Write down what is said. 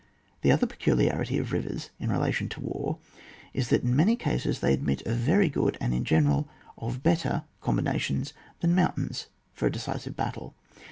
The other peculiarity of rivers in re lation to war is, that in many cases they admit of very good, and in general of better combinations than mountains for a decisive battle.